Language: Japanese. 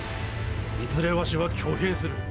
いずれわしは挙兵する。